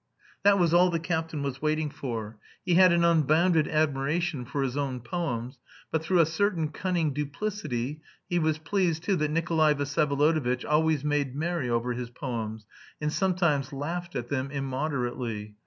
That was all the captain was waiting for. He had an unbounded admiration for his own poems, but, through a certain cunning duplicity, he was pleased, too, that Nikolay Vsyevolodovitch always made merry over his poems, and sometimes laughed at them immoderately.